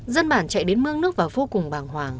dân bản chạy đến mương nước vào vô cùng bàng hoàng